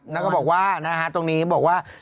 แล้วก็บอกว่านะฮะตรงนี้บอกว่า